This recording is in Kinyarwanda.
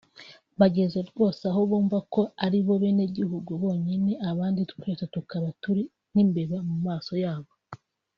Bageze rwose aho bumva ko aribo Benegihugu bonyine abandi twese tukaba turi nk’imbeba mu maso yabo